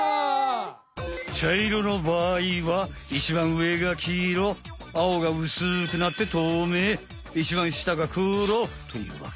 ちゃいろのばあいはいちばんうえがきいろあおがうすくなってとうめいいちばんしたがくろというわけ。